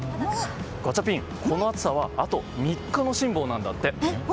ガチャピン、この暑さはあと３日の辛抱なんだって。